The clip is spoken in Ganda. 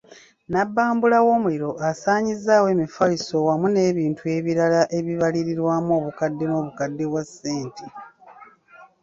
Nnabbambula w'omuliro asaanyizzaawo emifaliso wamu n'ebintu ebirala ebibalirirwamu obukadde n'obukadde bwa ssente.